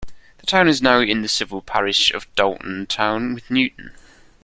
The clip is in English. The town is now in the civil parish of Dalton Town with Newton.